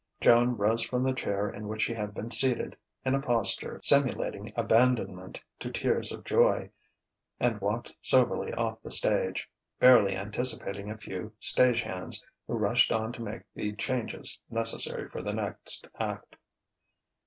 Joan rose from the chair in which she had been seated in a posture simulating abandonment to tears of joy, and walked soberly off the stage barely anticipating a few stage hands, who rushed on to make the changes necessary for the next act.